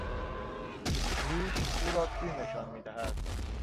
ریش، او را پیر نشان میدهد.